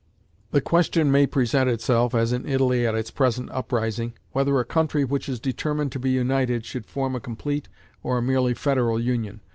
The question may present itself (as in Italy at its present uprising) whether a country which is determined to be united should form a complete or a merely federal union.